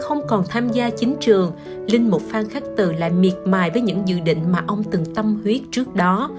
không còn tham gia chính trường linh mục phan khắc từ lại miệt mài với những dự định mà ông từng tâm huyết trước đó